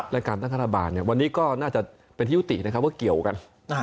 และการตั้งรัฐบาลวันนี้ก็น่าจะเป็นที่ยุตินะครับว่าเกี่ยวกัน